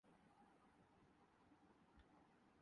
لیکن کیونکہ ہمارا